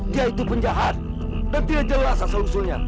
dia itu penjahat dan dia jelas asal usulnya